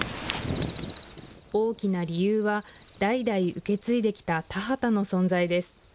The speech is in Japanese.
大きな理由は代々受け継いできた田畑の存在です。